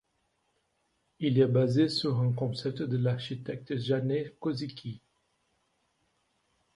Il est basé sur un concept de l'architecte Janek Kozicki.